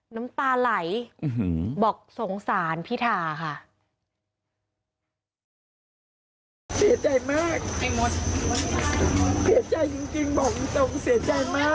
น้ำตาไหลบอกสงสารพิธาค่ะ